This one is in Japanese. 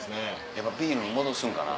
やっぱビールに戻すんかな？